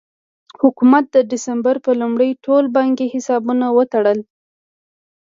حکومت د ډسمبر په لومړۍ ټول بانکي حسابونه وتړل.